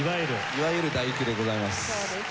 いわゆる『第九』でございます。